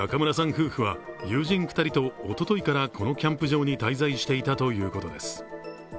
夫婦は友人２人とおとといからこのキャンプ場に滞在していたということです。